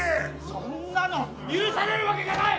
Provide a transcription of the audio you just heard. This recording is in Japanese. そんなの許されるわけがない！